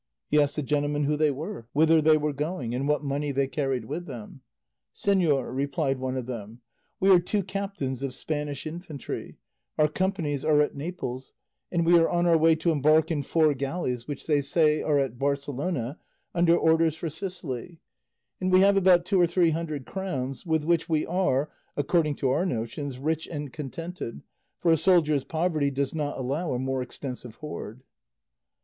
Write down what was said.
He asked the gentlemen who they were, whither they were going, and what money they carried with them; "Señor," replied one of them, "we are two captains of Spanish infantry; our companies are at Naples, and we are on our way to embark in four galleys which they say are at Barcelona under orders for Sicily; and we have about two or three hundred crowns, with which we are, according to our notions, rich and contented, for a soldier's poverty does not allow a more extensive hoard."